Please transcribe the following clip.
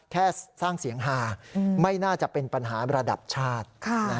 แค่สร้างเสียงฮาไม่น่าจะเป็นปัญหาระดับชาติ